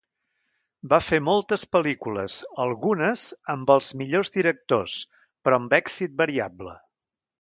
Va fer moltes pel·lícules, algunes amb els millors directors, però amb èxit variable.